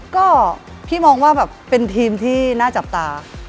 ก็พี่มองว่าแบบเป็นทีมที่น่าจับตา